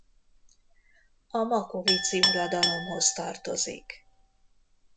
A makoviczi uradalomhoz tartozik.